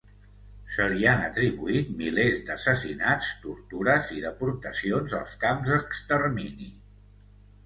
Se li han atribuït milers d'assassinats, tortures i deportacions als camps d'extermini.